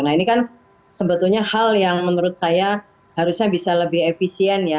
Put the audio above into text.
nah ini kan sebetulnya hal yang menurut saya harusnya bisa lebih efisien ya